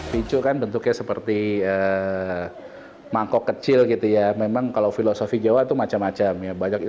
picu kan bentuknya seperti mangkok kecil gitu ya memang kalau filosofi jawa itu macam macam ya